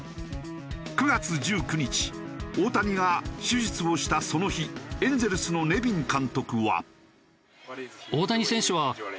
９月１９日大谷が手術をしたその日エンゼルスのネビン監督は。